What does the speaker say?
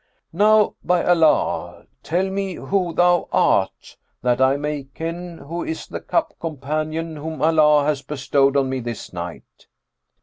Now, by Allah, tell me who thou art, that I may ken who is the cup companion whom Allah hath bestowed on me this night.'